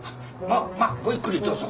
まあごゆっくりどうぞ。